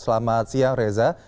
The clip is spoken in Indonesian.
selamat siang reza